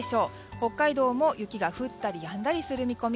北海道も雪が降ったりやんだりする見込み。